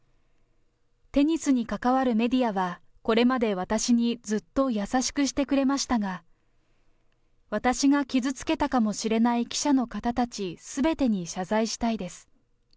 テニスに関わるメディアは、これまで私にずっと優しくしてくれましたが、私が傷つけたかもしれない記者の方たちすべてに謝罪したいです。